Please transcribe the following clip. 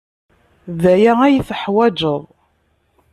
D aya ay teḥwaǧeḍ.